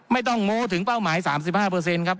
ไม่ต้องโม้ถึงเป้าหมาย๓๕ครับ